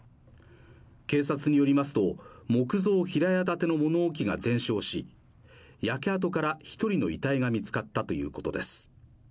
警察によりますと、木造平屋建ての物置が全焼し焼け跡から１人の遺体が見つかったということです。